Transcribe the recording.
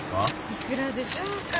いくらでしょうかね？